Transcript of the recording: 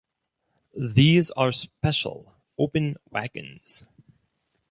These are special open wagons.